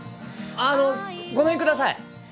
あのごめんください。